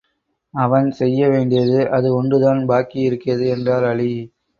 அவன் செய்ய வேண்டியது அது ஒன்றுதான் பாக்கியிருக்கிறது என்றார் அலி.